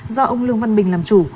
do ông lương văn bình làm chủ